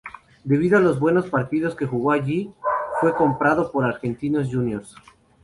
Debido a los buenos partidos que jugó allí, fue comprado por Argentinos Juniors.